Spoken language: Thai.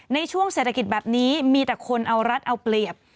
ในช่วงเศรษฐกิจแบบนี้มีแต่คนเอารัฐเอาเปรียบ